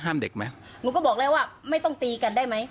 เด็กไหมหนูก็บอกแล้วว่าไม่ต้องตีกันได้ไหม